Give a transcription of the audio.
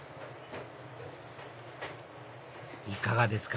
いかがですか？